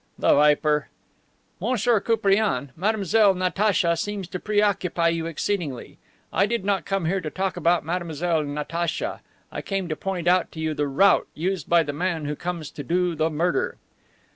"The viper!" "Monsieur Koupriane, Mademoiselle Natacha seems to preoccupy you exceedingly. I did not come here to talk about Mademoiselle Natacha. I came to point out to you the route used by the man who comes to do the murder."